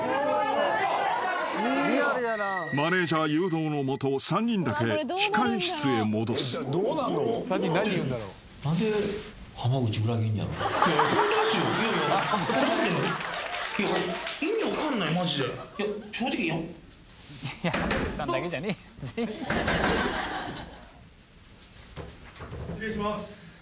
［マネジャー誘導の下３人だけ控室へ戻す］・・失礼します。